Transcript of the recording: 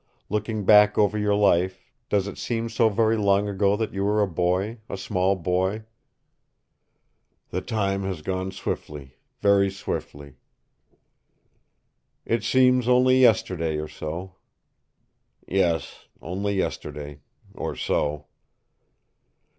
Looking back over your life, does it seem so very long ago that you were a boy, a small boy?" "The time has gone swiftly, very swiftly." "It seems only yesterday or so?" "Yes, only yesterday or so."